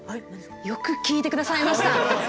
よく聞いて下さいました。